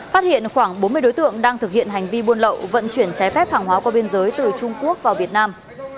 phát hiện khoảng bốn mươi đối tượng đang thực hiện hành vi buôn lậu vận chuyển trái phép hàng hóa qua biên giới từ trung quốc vào việt nam